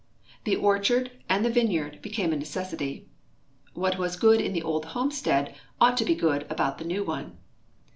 The orchard and the vineyard be came a necessity. What was good in the old homestead ought to be good about the new one.